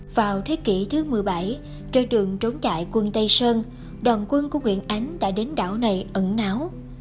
vào thế kỷ thứ một mươi bảy trên đường trốn chạy quân tây sơn đoàn quân của nguyễn ánh đã đến đảo này ẩn náo